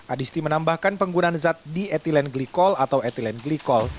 adisti menambahkan penggunaan zat diethylenglikol atau ethylenglikol